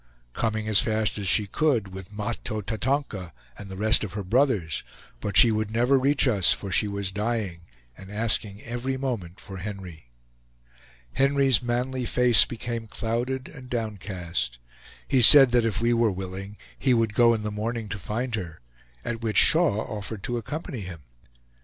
coming as fast as she could with Mahto Tatonka, and the rest of her brothers, but she would never reach us, for she was dying, and asking every moment for Henry. Henry's manly face became clouded and downcast; he said that if we were willing he would go in the morning to find her, at which Shaw offered to accompany him.